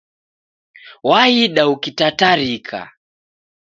Waida ukitatarika